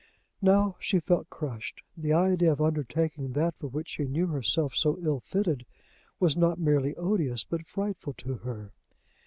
Now she felt crushed. The idea of undertaking that for which she knew herself so ill fitted was not merely odious but frightful to her.